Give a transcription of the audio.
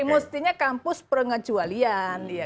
mestinya kampus pengecualian